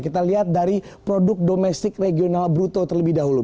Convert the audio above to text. kita lihat dari produk domestik regional bruto terlebih dahulu